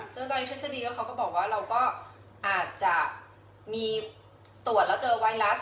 ซึ่งโดยทฤษฎีเขาก็บอกว่าเราก็อาจจะมีตรวจแล้วเจอไวรัส